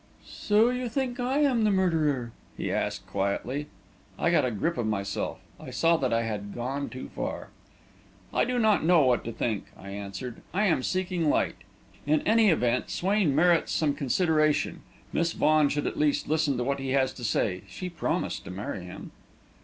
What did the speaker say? "So you think I am the murderer?" he asked, quietly. I got a grip of myself I saw that I had gone too far. "I do not know what to think," I answered. "I am seeking light. In any event, Swain merits some consideration. Miss Vaughan should, at least, listen to what he has to say. She promised to marry him."